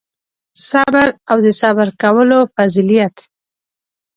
صبر او د صبر کولو فضیلت